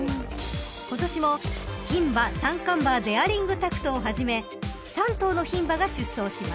［今年も牝馬三冠馬デアリングタクトをはじめ３頭の牝馬が出走します］